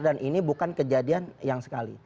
dan ini bukan kejadian yang sekali